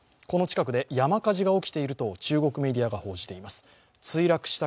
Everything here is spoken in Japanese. この近くで山火事が起きていると中国メディアが報じています。